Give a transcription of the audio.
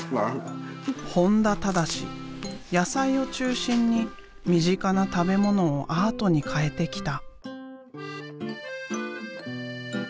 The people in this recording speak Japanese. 野菜を中心に身近な食べ物をアートに変えてきた。